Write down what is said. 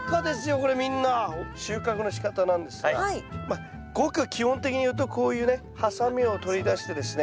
収穫のしかたなんですがまあごく基本的に言うとこういうねハサミを取り出してですね